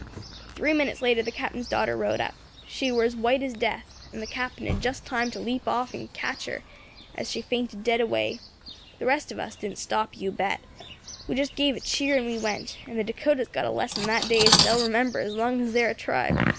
"Three minutes later the Captain's daughter rode up. She war as white as death, and the Captain had just time to leap off and catch her as she fainted dead away. The rest of us didn't stop, you bet; we just gave a cheer and on we went, and the Dacotas got a lesson that day as they will remember as long as they are a tribe.